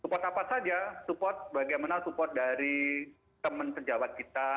support apa saja support bagaimana support dari teman pejabat kita